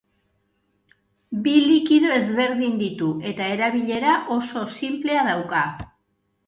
Bi likido ezberdin ditu eta erabilera oso sinplea dauka.